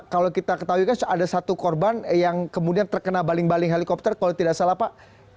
kalau kita ketahui kan ada satu korban yang kemudian terkena baling baling helikopter kalau tidak salah pak